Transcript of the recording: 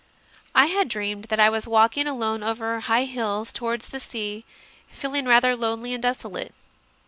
I had dreamed that I was walking alone over high hills towards the sea, feeling rather lonely and desolate.